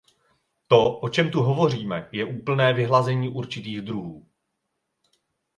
To, o čem tu hovoříme, je úplné vyhlazení určitých druhů.